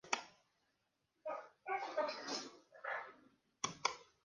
Unos pocos soldados japoneses lograron mantenerse ocultos en la jungla.